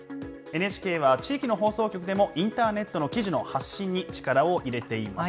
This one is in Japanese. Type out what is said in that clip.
ＮＨＫは地域の放送局でも、インターネットの記事の発信に力を入れています。